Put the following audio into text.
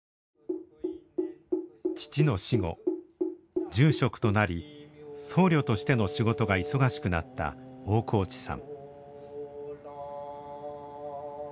父の死後住職となり僧侶としての仕事が忙しくなった大河内さん。